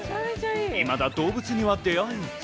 いまだ動物には出あえず。